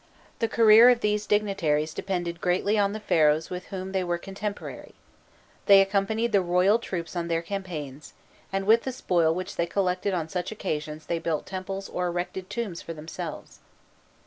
The career of these dignitaries depended greatly on the Pharaohs with whom they were contemporary: they accompanied the royal troops on their campaigns, and with the spoil which they collected on such occasions they built temples or erected tombs for themselves.